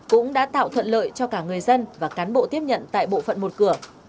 cũng đã tạo thuận lợi cho cả người dân và cán bộ tiếp nhận tại bộ phận một cửa